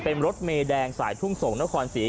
เป็นรถเมแดงสายทุ่งส่งนครศรี